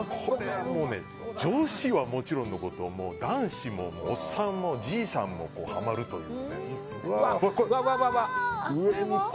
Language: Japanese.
女子はもちろんのこと男子もおっさんもじいさんも、ハマるというね。